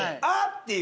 あっ！